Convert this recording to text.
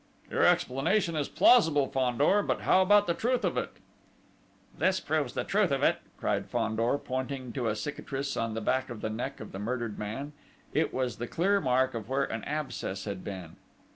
"Your explanation is plausible, Fandor; but how about the truth of it?" "This proves the truth of it!" cried Fandor, pointing to a cicatrice on the back of the neck of the murdered man: it was the clear mark of where an abscess had been.